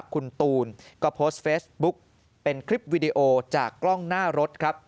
คุณตูนก็โพสต์เฟซบุ๊กเป็นคลิปวิดีโอจากกล้องหน้ารถครับ